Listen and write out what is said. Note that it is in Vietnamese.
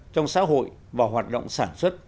trong xã hội và hoạt động sản xuất